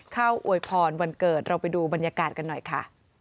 อวยพรวันเกิดเราไปดูบรรยากาศกันหน่อยค่ะ